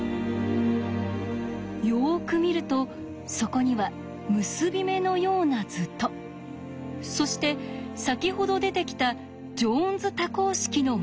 よく見るとそこには結び目のような図とそして先ほど出てきたジョーンズ多項式の文字が。